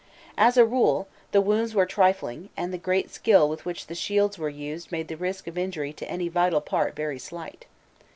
As a rule, the wounds were trifling, and the great skill with which the shields were used made the risk of injury to any vital part very slight.